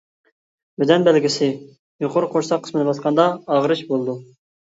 بەدەن بەلگىسى : يۇقىرى قورساق قىسمىنى باسقاندا ئاغرىش بولىدۇ.